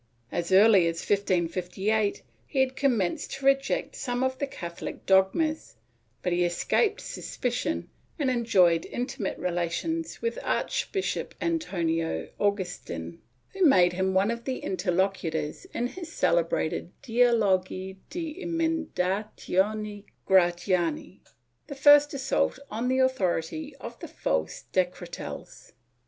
As early as 1558 he had commenced to reject some of the Catholic dogmas, but he escaped suspicion and enjoyed intimate relations with Archbishop Antonio Agustin, who made him one of the interlocutors in his celebrated Dialogi de Emendatione Gratiani — the first assault on the authority of the False Decretals.